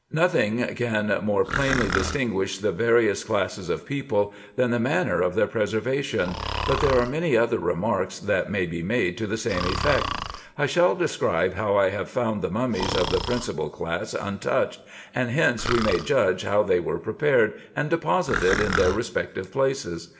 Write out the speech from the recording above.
Nothing can more plainly distinguish the various classes of people, than the manner of their preservation : but there are many other remarks, that may be made to the same effect. I shall de scribe how I have found the mummies of the principal class un touched, and hence we may judge how they were prepared and deposited in their respective places.